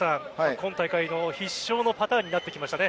今大会の必勝のパターンになってきましたね。